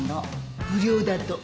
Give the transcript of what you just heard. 不良だと。